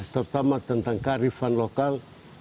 terutama tentang karifan lokal